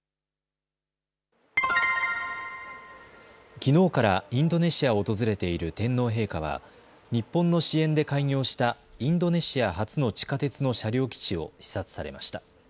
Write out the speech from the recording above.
きのうからインドネシアを訪れている天皇陛下は日本の支援で開業したインドネシア初の地下鉄の車両基地を視察されました。